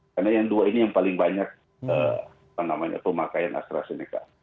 karena yang dua ini yang paling banyak pemakaian astrazeneca